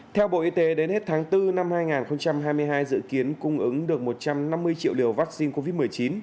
theo bộ y tế đến hết tháng bốn năm hai nghìn hai mươi hai dự kiến cung ứng được một trăm năm mươi triệu liều vaccine covid một mươi chín